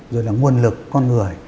rồi là nguồn lực con người